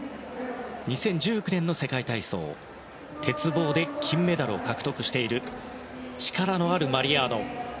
２０１９年の世界体操鉄棒で金メダルを獲得している力のあるマリアーノ。